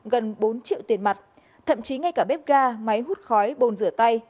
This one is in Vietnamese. gần bốn triệu tiền mặt thậm chí ngay cả bếp ga máy hút khói bồn rửa tay